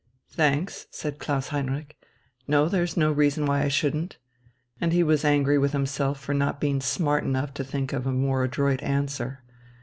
"Thanks," said Klaus Heinrich, "no, there is no reason why I shouldn't." And he was angry with himself for not being smart enough to think of a more adroit answer.